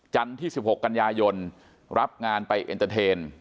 ที่๑๖กันยายนรับงานไปเอ็นเตอร์เทน